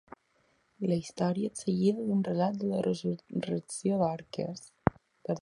La història és seguida d'un relat de la resurrecció de Dorques.